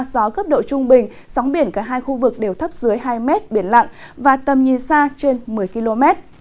gió cấp độ trung bình sóng biển cả hai khu vực đều thấp dưới hai mét biển lặng và tầm nhìn xa trên một mươi km